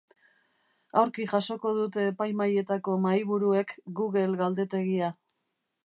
Aurki jasoko dute epaimahaietako mahaiburuek google galdetegia.